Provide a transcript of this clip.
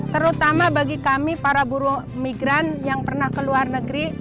terutama bagi kami para buruh migran yang pernah ke luar negeri